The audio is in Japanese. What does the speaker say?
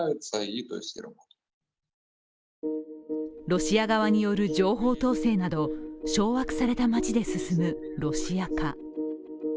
ロシア側による情報統制など、掌握された街で進むロシア化。